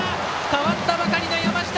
代わったばかりの山下！